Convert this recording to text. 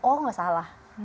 oh tidak salah